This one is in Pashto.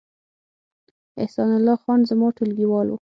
احسان الله خان زما ټولګیوال و